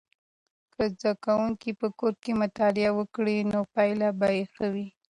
که زده کوونکي په کور کې مطالعه وکړي نو پایلې به یې ښې وي.